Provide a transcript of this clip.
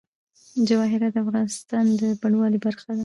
جواهرات د افغانستان د بڼوالۍ برخه ده.